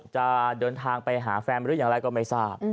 จะเดินทางไปหาแฟนหรืออย่างไรก็ไม่ทราบ